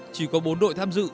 chỉ có bốn đội tham dự